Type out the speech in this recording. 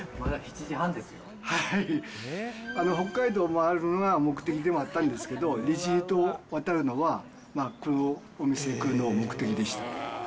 はい、北海道まわるのが目的でもあったんですけど、利尻島渡るのは、このお店に来るのが目的でした。